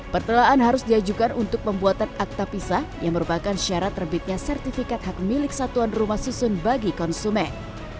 pertelaan harus diajukan untuk pembuatan akta pisah yang merupakan syarat terbitnya sertifikat hak milik satuan rumah susun bagi konsumen